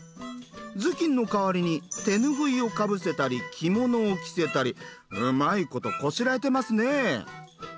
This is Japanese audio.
頭巾の代わりに手ぬぐいをかぶせたり着物を着せたりうまいことこしらえてますね。